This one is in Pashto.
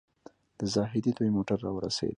د زاهدي دوی موټر راورسېد.